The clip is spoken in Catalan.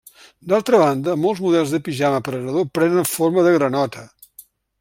D'altra banda, molts models de pijama per a nadó prenen forma de granota.